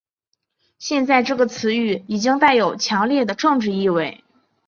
现在这个词语已经带有强烈的政治意味。